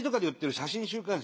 写真週刊誌。